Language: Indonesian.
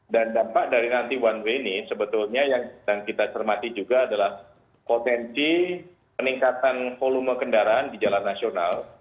dan dampak dari nanti one way ini sebetulnya yang kita cermati juga adalah potensi peningkatan volume kendaraan di jalan nasional